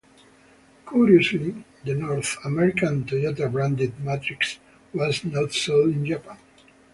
Curiously, the North American Toyota-branded Matrix was not sold in Japan.